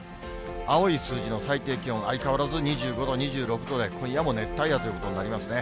青い数字の最低気温、相変わらず２５度、２６度で、今夜も熱帯夜ということになりますね。